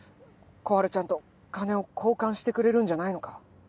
小春ちゃんと金を交換してくれるんじゃないのか？